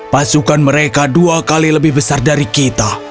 pasukan mereka dua kali lebih besar dari kita